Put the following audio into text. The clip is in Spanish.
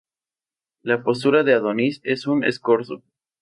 La postura de Adonis es un escorzo.